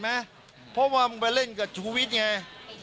แล้วถ้าคุณชุวิตไม่ออกมาเป็นเรื่องกลุ่มมาเฟียร์จีน